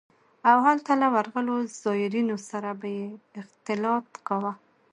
او هلته له ورغلو زايرينو سره به يې اختلاط کاوه.